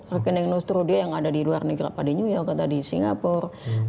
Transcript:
rekening nustro dia yang ada di luar negeri pada new york atau di singapura